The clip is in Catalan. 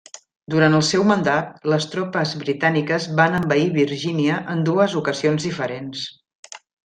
Durant el seu mandat, les tropes britàniques van envair Virgínia en dues ocasions diferents.